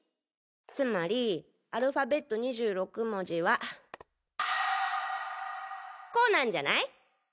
つまりアルファベット２６文字はこうなんじゃない？